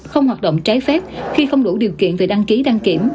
không hoạt động trái phép khi không đủ điều kiện về đăng ký đăng kiểm